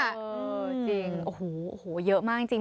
เออจริงโอ้โหเยอะมากจริง